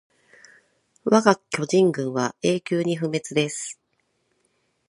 わが巨人軍は永久に不滅です